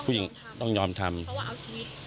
ผู้หญิงต้องยอมทำเพราะว่าเอาชีวิต